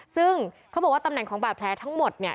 ซึ่งเขาบอกว่าตำแหน่งของบาดแผลทั้งหมดเนี่ย